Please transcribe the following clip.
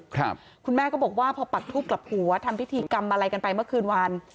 คุณแม่ก็บอกว่าพอปักทูบกลับหัวทำพิธีกรรมอะไรกันไปเมื่อคืนวัน